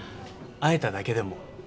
会えただけでも。